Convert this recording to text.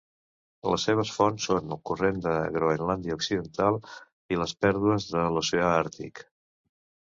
Les seves fonts són el Corrent de Groenlàndia Occidental i les pèrdues de l'Oceà Àrtic.